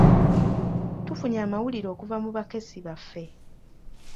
Tufunye amawulire okuva mu bakessi baffe